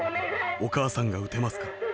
「『お母さんが撃てますか？』